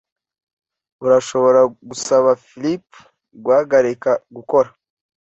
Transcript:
Urashobora gusaba Philip guhagarika gukora?